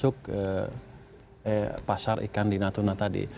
ya termasuk pasar ikan di natuna tadi